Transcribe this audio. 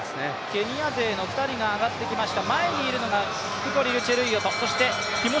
ケニア勢の２人が上がってきました。